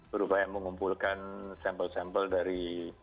berupaya mengumpulkan sampel sampel dari